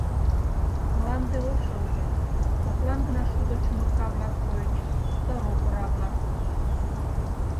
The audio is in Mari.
Мланде ошо ыле, коклан гына шудо чумырка-влак койыч да рок ора-влак.